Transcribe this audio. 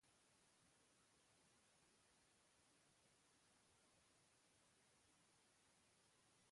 Kalean ez zegoen inor, denak telebistaren aurrean zeuden-eta.